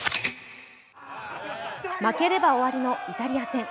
負ければ終わりのイタリア戦。